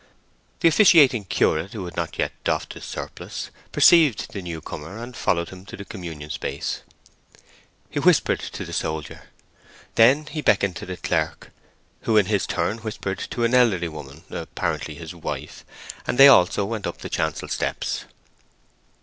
The officiating curate, who had not yet doffed his surplice, perceived the new comer, and followed him to the communion space. He whispered to the soldier, and then beckoned to the clerk, who in his turn whispered to an elderly woman, apparently his wife, and they also went up the chancel steps.